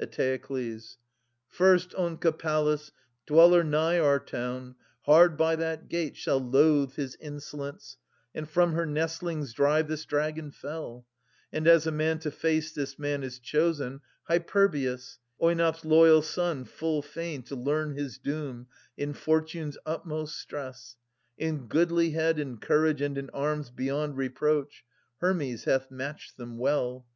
500 Eteokles. First, Onka Pallas, dweller nigh our town, Hard by that gate, shall loathe his insolence And from her nestlings drive this dragon fell : And, as a man to face this man, is chosen Hyperbius, Oinops' loyal son, full fain To learn his doom in fortune's utmost stress ; In goodlihead, in courage, and in arms Beyond reproach : Hermes hath matched them well.